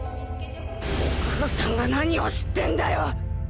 お母さんが何を知ってんだよ！